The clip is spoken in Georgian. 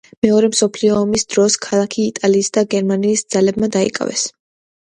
მეორე მსოფლიო ომის დროს ქალაქი იტალიისა და გერმანიის ძალებმა დაიკავეს.